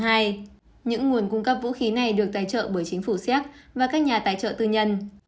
những nguồn cung cấp vũ khí này được tài trợ bởi chính phủ xéc và các nhà tài trợ tư nhân